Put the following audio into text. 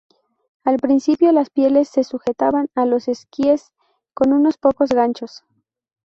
Al principio las pieles se sujetaban a los esquíes con unos pocos ganchos.